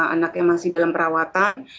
anaknya masih dalam perawatan